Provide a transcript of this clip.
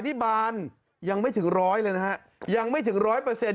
นี่บานยังไม่ถึงร้อยเลยนะฮะยังไม่ถึงร้อยเปอร์เซ็น